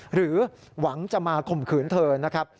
หรือหวังจะมาข่มขืนเธอนะครับ